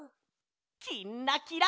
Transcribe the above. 「きんらきら」。